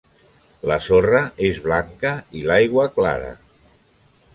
La sorra és blanca, i l'aigua clara.